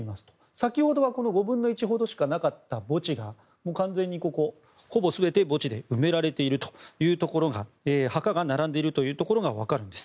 先ほどは５分の１ほどしかなかった墓地が完全にほぼ全て墓地で埋められているというところが墓が並んでいるのが分かるんです。